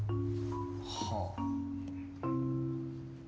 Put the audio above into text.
はあ。